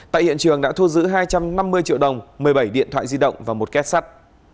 tại hiện trường đã thu giữ hai trăm năm mươi triệu đồng một mươi bảy điện thoại di động và một két sắt